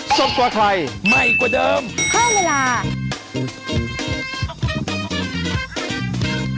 สวัสดีค่ะ